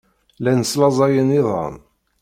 Llan slaẓayen iḍan.